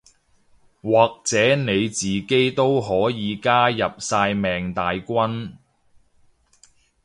或者你自己都可以加入曬命大軍